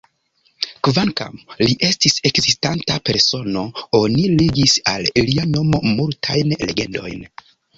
Kvankam li estis ekzistanta persono, oni ligis al lia nomo multajn legendojn.